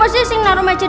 tidak ada masalah